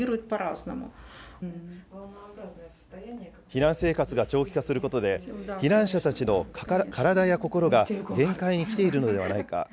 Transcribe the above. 避難生活が長期化することで、避難者たちの体や心が限界にきているのではないか。